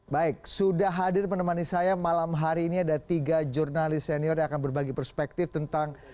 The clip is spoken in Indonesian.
baik sudah hadir menemani saya malam hari ini ada tiga jurnalis senior yang akan berbagi perspektif tentang